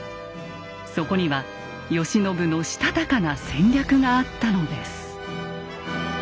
そこには慶喜のしたたかな戦略があったのです。